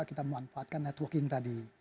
kita memanfaatkan networking tadi